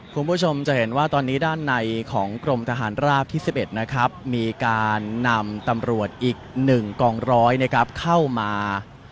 คุณผู้ชมจะเห็นว่าตอนนี้ด้านในของกรมทหารราบที่๑๑นะครับมีการนำตำรวจอีก๑กองร้อยนะครับเข้ามา